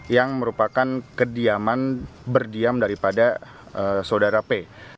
yang merupakan kediaman berdiam daripada saudara p